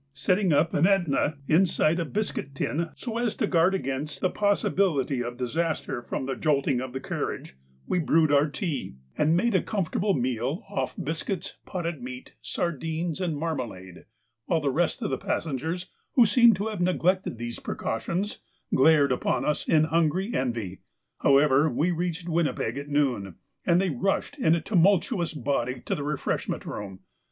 Setting up an Etna inside a biscuit tin so as to guard against the possibility of disaster from the jolting of the carriage, we brewed our tea, and made a comfortable meal off biscuits, potted meat, sardines, and marmalade, while the rest of the passengers, who seemed to have neglected these precautions, glared upon us in hungry envy. However, we reached Winnipeg at noon, and they rushed in a tumultuous body to the refreshment room.